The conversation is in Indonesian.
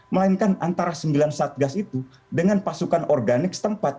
melainkan antara sembilan satgas itu dengan pasukan organik setempat